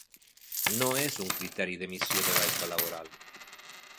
No és un criteri d'emissió de baixa laboral.